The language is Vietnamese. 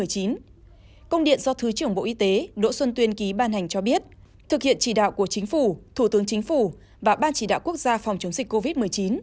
công điện do thứ trưởng bộ y tế đỗ xuân tuyên ký ban hành cho biết thực hiện chỉ đạo của chính phủ thủ tướng chính phủ và ban chỉ đạo quốc gia phòng chống dịch covid một mươi chín